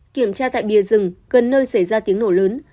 kiểm tra tại bìa rừng gần nơi xảy ra tiếng nổ lớn